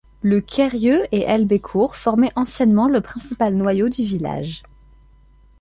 Le Kerrieu et Helbecourt formaient anciennement le principal noyau du village.